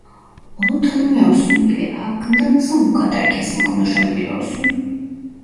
Onu tanımıyorsun bile, hakkında nasıl bu kadar kesin konuşabiliyorsun?